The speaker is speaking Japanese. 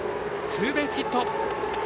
ツーベースヒット。